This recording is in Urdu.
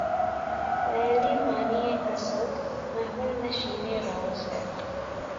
لیلیِ معنی اسد! محمل نشینِ راز ہے